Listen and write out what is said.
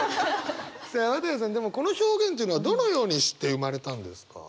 綿矢さんでもこの表現っていうのはどのようにして生まれたんですか？